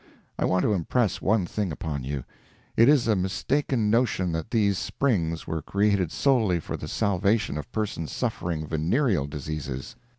I want to impress one thing upon you: it is a mistaken notion that these Springs were created solely for the salvation of persons suffering venereal diseases.